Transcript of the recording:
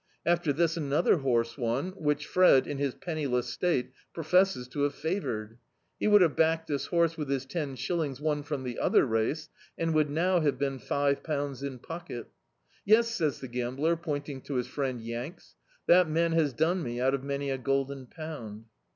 After this another horse won, whidi Fred, in his penniless state, professes to have favoured. He would have backed this horse with his ten shill ings woa from the other race, and would now have been five pounds in pocket. "Yes," says the gam bler, pomting to his friend "Yanks" — "that man has done me out of many a golden pound."